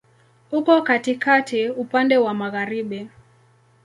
Uko katikati, upande wa magharibi.